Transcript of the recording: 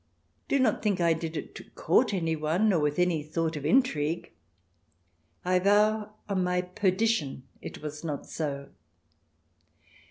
Do not think I did it to court anyone, or with any thought of intrigue. I vow, on my perdition, it was not so.